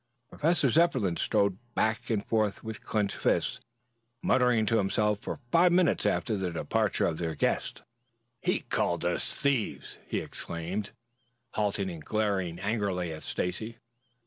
Professor Zepplin strode back and forth with clenched fists, muttering to himself for five minutes after the departure of their guest. "He called us thieves!" he exclaimed, halting and glaring angrily at Stacy.